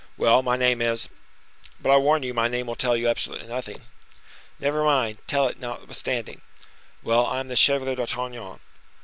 "Well, my name is—but, I warn you, my name will tell you absolutely nothing." "Never mind, tell it, notwithstanding." "Well, I am the Chevalier d'Artagnan."